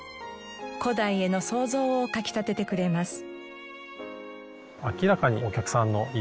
古代への想像をかき立ててくれます。